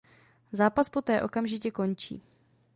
Zápas poté okamžitě končí.